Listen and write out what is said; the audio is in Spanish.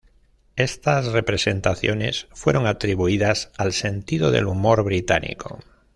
Estas representaciones fueron atribuidas al sentido del humor británico.